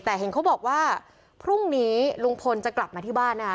แต่เห็นเขาบอกว่าพรุ่งนี้ลุงพลจะกลับมาที่บ้านนะคะ